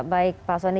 baik pak soni